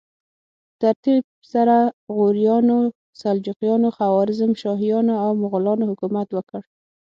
په ترتیب سره غوریانو، سلجوقیانو، خوارزمشاهیانو او مغولانو حکومت وکړ.